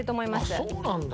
あっそうなんだ。